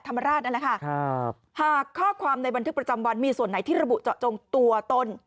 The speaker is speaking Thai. ราชนั่นแหละค่ะครับหากข้อความในบันทึกประจำวันมีส่วนไหนที่ระบุเจาะจงตัวตน